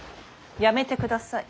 やめてください。